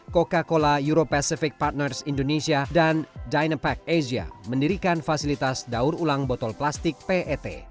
coca cola euro pacific partners indonesia dan dynapack asia mendirikan fasilitas daur ulang botol plastik pet